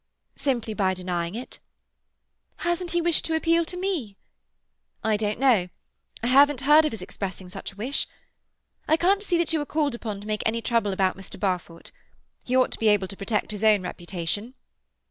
"Simply by denying it." "Hasn't he wished to appeal to me?" "I don't know. I haven't heard of his expressing such a wish. I can't see that you are called upon to take any trouble about Mr. Barfoot. He ought to be able to protect his own reputation."